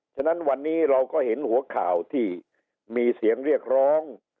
ฉะนั้นวันนี้เราก็เห็นหัวข่าวที่มีเสียงเรียกร้อง